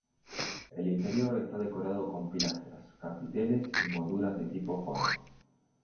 El interior está decorado con pilastras, capiteles y molduras de tipo jónico.